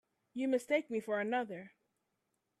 You mistake me for another.